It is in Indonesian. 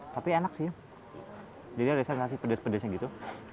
tapi enak sih jadi ada yang kasih pedes pedesnya gitu